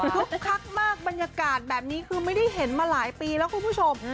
คักมากบรรยากาศแบบนี้คือไม่ได้เห็นมาหลายปีแล้วคุณผู้ชม